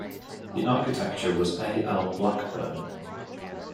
The architect was A. L. Blackburne.